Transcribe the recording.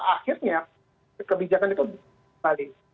akhirnya kebijakan itu balik